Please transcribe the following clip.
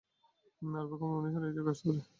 আর ভাগ্যবান মানুষেরাই এই জায়গায় আসতে পারে।